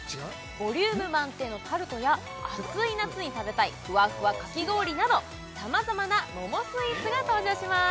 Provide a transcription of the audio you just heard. ボリューム満点のタルトや暑い夏に食べたいふわふわかき氷などさまざまな桃スイーツが登場します